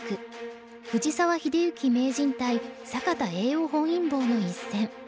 藤沢秀行名人対坂田栄男本因坊の一戦。